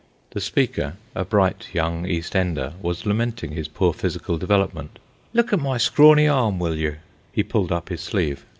The speaker, a bright young East Ender, was lamenting his poor physical development. "Look at my scrawny arm, will you." He pulled up his sleeve.